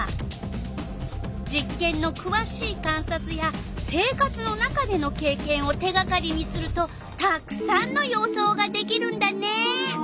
実けんのくわしい観察や生活の中でのけいけんを手がかりにするとたくさんの予想ができるんだね。